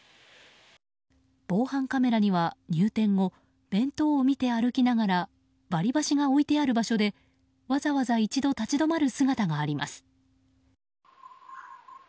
防犯カメラには入店後弁当を見て歩きながら割りばしが置いてある場所でわざわざ一度立ち止まる姿があります。